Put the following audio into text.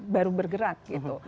baru bergerak gitu